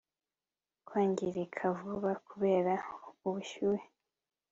kwangirika vuba kubera ubushyuhe